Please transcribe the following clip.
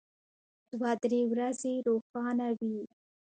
دوه درې ورځې روښانه وي.